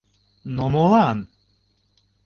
Но молан?